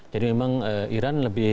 jadi memang iran lebih